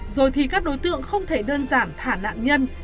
rồi thì các đối tượng không thể đơn giản thả nạn nhân